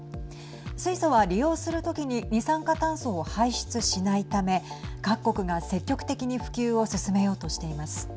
水素は利用する時に二酸化炭素を排出しないため各国が積極的に普及を進めようとしています。